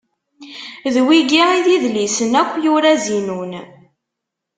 D wigi i d idlisen akk yura Zinun.